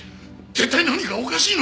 絶対何かおかしいのよ！